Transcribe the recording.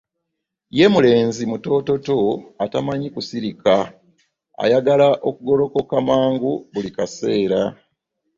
ye mulenzi mutoototo atamanyi kusirika, ayagala okugolokoka mangu buli kaseera.